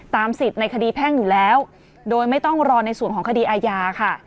สิทธิ์ในคดีแพ่งอยู่แล้วโดยไม่ต้องรอในส่วนของคดีอาญาค่ะ